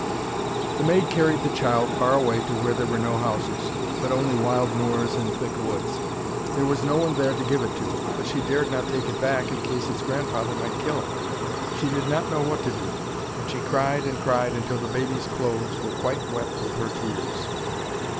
The maid carried the child far away to where there were no houses, but only wild moors and thick woods. There was no one there to give it to, but she dared not take it back in case its grandfather might kill it. She did not know what to do, and she cried and cried until the baby's clothes were quite wet with her tears.